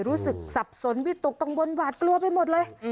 รู้สึกสับสนวิตุกตรงบนวาดกลัวไปหมดเลย